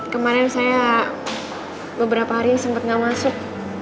kemaren saya beberapa hari sempet gak masuk